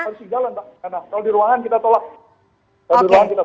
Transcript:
kalau di ruangan kita tolak